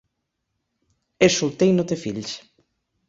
És solter i no té fills.